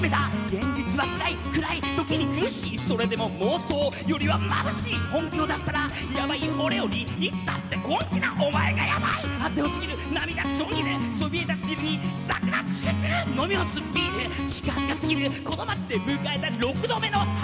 「現実は辛い暗い時に苦しいそれでも妄想よりは眩しい」「本気を出したらヤバイ俺よりいつだって本気なお前がヤバイ」「汗を千切る涙ちょん切るそびえ立つビルに桜散る散る」「飲み干すビール時間が過ぎるこの街で迎えた六度目の春」